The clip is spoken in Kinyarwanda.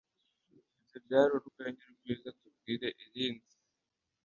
Ibyo byari urwenya rwiza Tubwire irindi